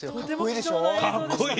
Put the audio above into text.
かっこいい！